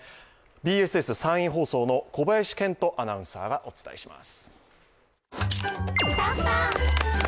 ＢＳＳ山陰放送の小林健和アナウンサーがお伝えします。